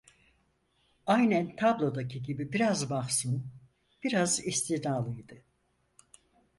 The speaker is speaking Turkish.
Aynen tablodaki gibi biraz mahzun, biraz istiğnalıydı.